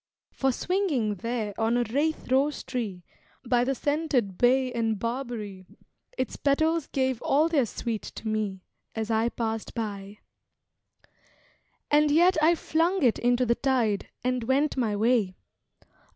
For swinging there on a rathe rose tree, By the scented bay and barberry, Its petals gave all their sweet to me, As I passed by. And yet I flung it into the tide, And went my way.